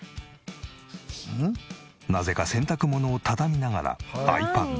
なぜか洗濯物を畳みながらｉＰａｄ。